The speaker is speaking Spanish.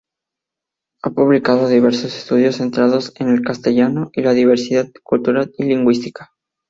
Ha publicado diversos estudios centrados en el castellano y la diversidad cultural y lingüística.